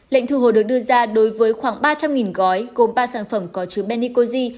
lệnh thu hồi được đưa ra đối với khoảng ba trăm linh gói gồm ba sản phẩm có chứa benicozi